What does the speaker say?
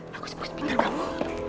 bagus bagus bintar kamu